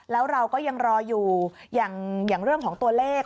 แล้วเราก็ยังรออยู่อย่างเรื่องของตัวเลข